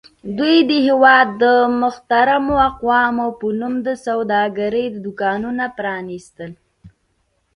دوی د هېواد د محترمو اقوامو په نوم د سوداګرۍ دوکانونه پرانیستل.